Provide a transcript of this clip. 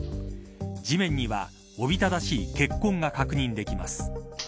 地面には、おびただしい血痕が確認できます。